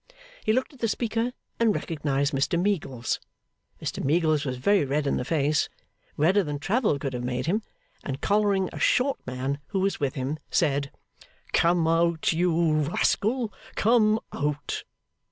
He looked at the speaker and recognised Mr Meagles. Mr Meagles was very red in the face redder than travel could have made him and collaring a short man who was with him, said, 'come out, you rascal, come Out!